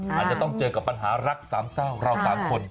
อาจจะต้องเจอกับปัญหารักสามเศร้าเราสามคน